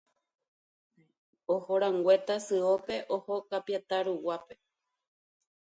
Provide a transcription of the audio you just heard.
Ohorãngue Tasyópe oho Kapiatã ruguápe.